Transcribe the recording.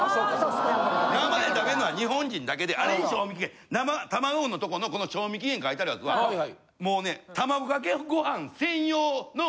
生で食べんのは日本人だけであれに賞味期限生卵のとこのこの賞味期限書いてあるやつはもうね。